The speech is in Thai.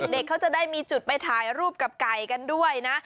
เด็กเขาจะได้มีจุดไปถ่ายรูปกับไก่กันด้วยนะ